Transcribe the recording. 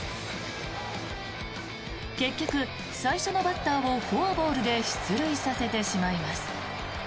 結局、最初のバッターをフォアボールで出塁させてしまいます。